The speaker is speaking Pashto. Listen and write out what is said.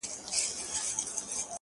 خپل دې يمه گرانه خو پردی نه يمه”